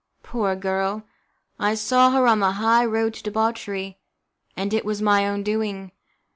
Poor girl! I saw her on the high road to debauchery, and it was my own doing!